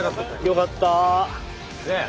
よかった。